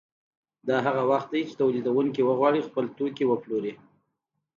دا هغه وخت دی چې تولیدونکي وغواړي خپل توکي وپلوري